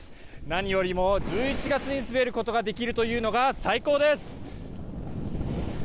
何よりも１１月に滑ることができるというのが最高です！